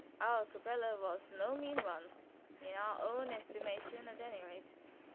Our kapelle was no mean one in our own estimation at any rate.